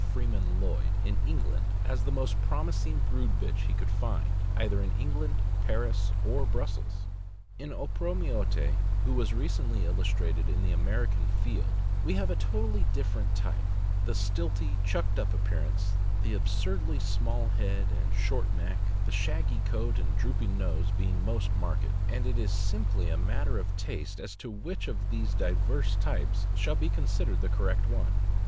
Freeman Lloyd, in England, as the most promising 266 THE AMERICAN BOOK OF THE DOG. brood bitch he could find, either in England, Paris, or Brussels. In Opromiote, who was recently illustrated in the American Field, we have a totally different type — the stilty, chucked up appearance, the absurdly small head and short neck, the shaggy coat and drooping nose being most marked; and it is simply a matter of taste as to which of these diverse types shall be considered the correct one.